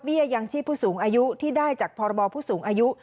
เบี้ยยามที่ผู้สูงอายุที่ได้จากพรผู้สูงอายุ